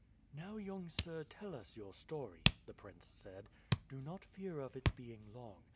"Now, young sir, tell us your story," the prince said. "Do not fear of its being long.